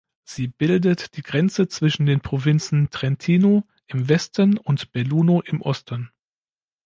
Sie bildet die Grenze zwischen den Provinzen Trentino im Westen und Belluno im Osten.